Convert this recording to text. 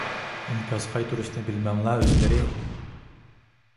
ئىنكاس قايتۇرۇشنى بىلمەملا ئۆزلىرى؟